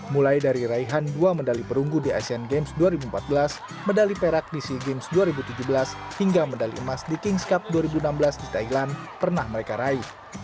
mulai dari raihan dua medali perunggu di asean games dua ribu empat belas medali perak di sea games dua ribu tujuh belas hingga medali emas di kings cup dua ribu enam belas di thailand pernah mereka raih